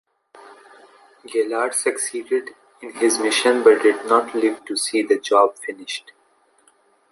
Gaillard succeeded in his mission, but did not live to see the job finished.